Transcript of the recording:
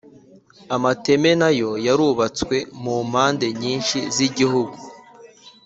Amateme na yo yarubatswe mu mpande nyinshi z igihugu